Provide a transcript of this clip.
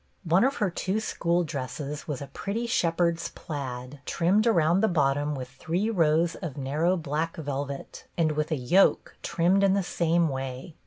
One of her two school dresses was a pretty shepherd's plaid, trimmed around the bottom with three rows of narrow black velvet, and with a yoke trimmed in the same way.